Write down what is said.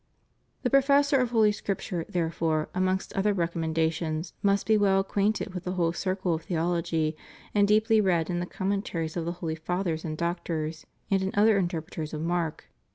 The professor of Holy Scripture, therefore, amongst other recommen dations, must be well acquainted with the whole circle of theologj"" and deeply read in the commentaries of the holy Fathers and Doctors, and in other interpreters of mark.